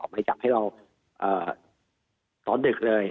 ออกไหมจากให้เราตอนดึกเลย